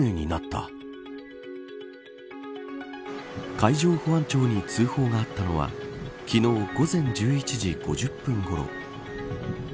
海上保安庁に通報があったのは昨日午前１１時５０分ごろ。